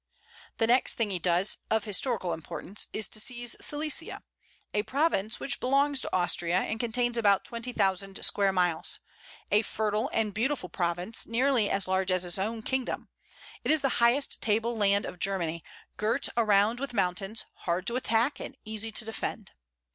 The next thing he does, of historical importance, is to seize Silesia, a province which belongs to Austria, and contains about twenty thousand square miles, a fertile and beautiful province, nearly as large as his own kingdom; it is the highest table land of Germany, girt around with mountains, hard to attack and easy to defend.